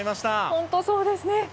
本当にそうですね。